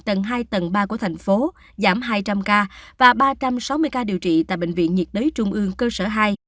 tầng hai tầng ba của thành phố giảm hai trăm linh ca và ba trăm sáu mươi ca điều trị tại bệnh viện nhiệt đới trung ương cơ sở hai